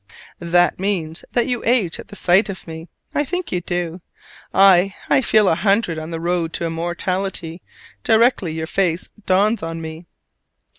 That means that you age at the sight of me! I think you do. I, I feel a hundred on the road to immortality, directly your face dawns on me.